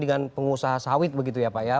dengan pengusaha sawit begitu ya pak ya